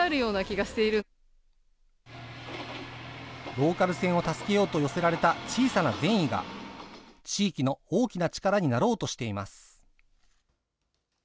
ローカル線を助けようと寄せられた小さな善意が、地域の大きな力になろうとしています。